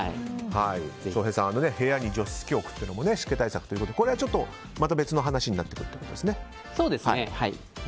翔平さん、部屋に除湿気を置くというのも湿気対策ということでこれはちょっとまた別の話になってくるということですね。